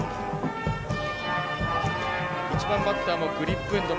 １番バッターもグリップエンド